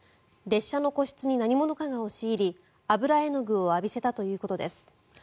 列車の個室に何者かが押し入り油絵の具を浴びせたということです。